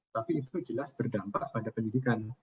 tapi itu jelas berdampak pada pendidikan